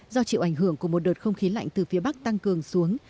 do chịu ảnh hưởng của một đợt không khí lạnh từ phía bắc tăng cường xuống